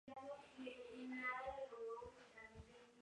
Su tamaño no es mayor al de París.